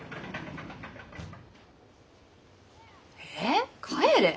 えっ帰れ？